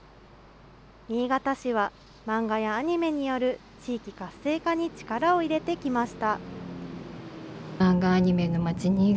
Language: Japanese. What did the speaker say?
新潟市は漫画やアニメによる地域活性化に力を入れてきました。